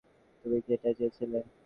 তুমি কি এটাই চেয়েছিলে?